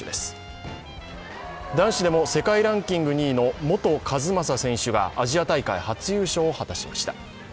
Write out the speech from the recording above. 男子でも世界ランキング２位の本一将選手がアジア大会初優勝を決めました。